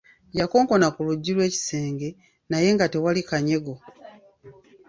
Yakonkona ku luggi lw'ekisenge naye nga tewali kanyego.